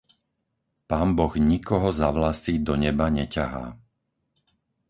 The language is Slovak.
Pán Boh nikoho za vlasy do neba neťahá.